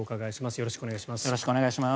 よろしくお願いします。